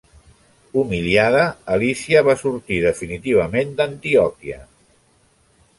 Humiliada, Alícia va sortir definitivament d'Antioquia.